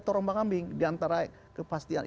tolong pak kambing diantara kepastian